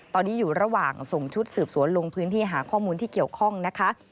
ตอนนี้อยู่ระหว่างส่งชุดสืบสวนลงพื้นที่หาข้อมูลที่เกี่ยวข้องนะคะ